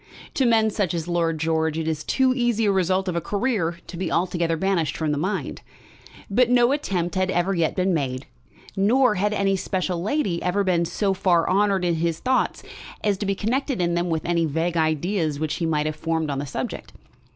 To men such as Lord George it is too easy a result of a career to be altogether banished from the mind. But no attempt had ever yet been made, nor had any special lady ever been so far honoured in his thoughts as to be connected in them with any vague ideas which he might have formed on the subject.